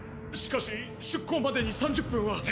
しかし出港までに３０分は。